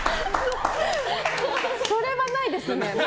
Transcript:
それはないですね。